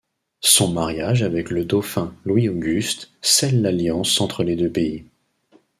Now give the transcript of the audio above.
Son mariage avec le dauphin, Louis-Auguste, scelle l'alliance entre les deux pays.